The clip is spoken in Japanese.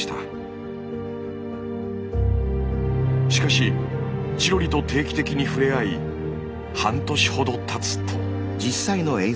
しかしチロリと定期的に触れ合い半年ほどたつと。